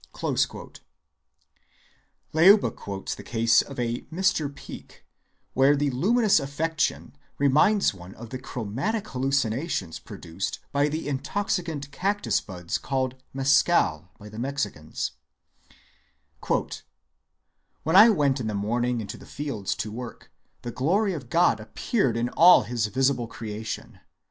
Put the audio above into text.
Leuba quotes the case of a Mr. Peek, where the luminous affection reminds one of the chromatic hallucinations produced by the intoxicant cactus buds called mescal by the Mexicans:— "When I went in the morning into the fields to work, the glory of God appeared in all his visible creation.